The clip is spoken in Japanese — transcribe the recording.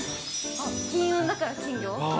金運だから金魚？